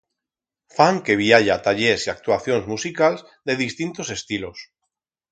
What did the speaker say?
Fan que bi haya tallers y actuacions musicals de distintos estilos.